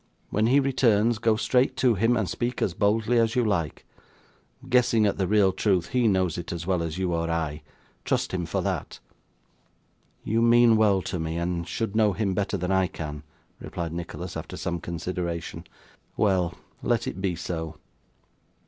When he returns, go straight to him, and speak as boldly as you like. Guessing at the real truth, he knows it as well as you or I. Trust him for that.' 'You mean well to me, and should know him better than I can,' replied Nicholas, after some consideration. 'Well; let it be so.